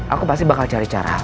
aku pasti bakal cari cara